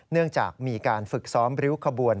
เนื่องจากมีการฝึกซ้อมริ้วขบวน